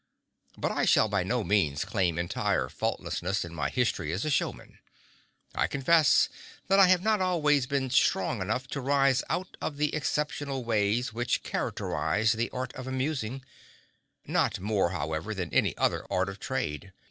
But I shall by no means claim entire faultlessness in my history as a showman. I confess that I have not always been strong enough to rise out of the exceptional ways which characterize the art of amusing not more, however, than any other art of trade.